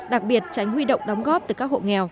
đặc biệt tránh huy động đóng góp từ các hộ nghèo